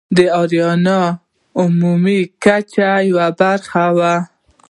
د آریایانو د عمومي کوچ یوه برخه وه.